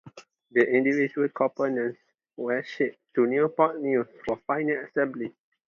The individual components were shipped to Newport News for final assembly.